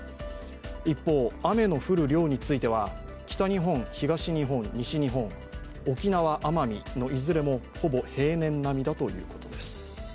一方、雨の降る量については北日本、東日本、西日本、沖縄・奄美のいずれもほぼ平年なみだということです。